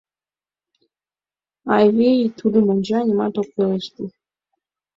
Айвий тудым онча, нимат ок пелеште.